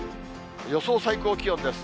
予想最高気温です。